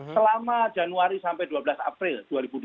selama januari sampai dua belas april dua ribu dua puluh